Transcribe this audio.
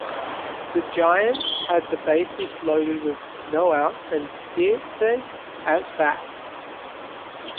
The Giants had the bases loaded with no outs and Dietz at bat.